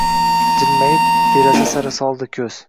Jilmayib, deraza sari soldi ko’z.